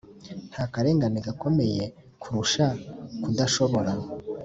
nta karengane gakomeye kurusha kudashobora